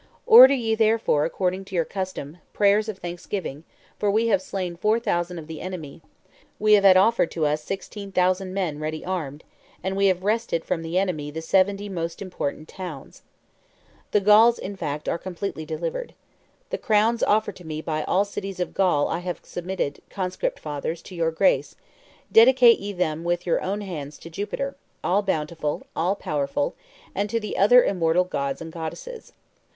"Order ye, therefore, according to your custom, prayers of thanksgiving, for we have slain four thousand of the enemy; we have had offered to us sixteen thousand men ready armed; and we have wrested from the enemy the seventy most important towns. The Gauls, in fact, are completely delivered. The crowns offered to me by all the cities of Gaul I have submitted, Conscript Fathers, to your grace; dedicate ye them with your own hands to Jupiter, all bountiful, all powerful, and to the other immortal gods and goddesses.